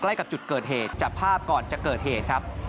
ใกล้กับจุดเกิดเหตุจับภาพก่อนจะเกิดเหตุครับ